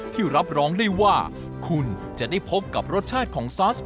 ทีมคุณภาคกุ้ง